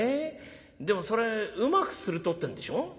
でもそれうまくするとってんでしょ。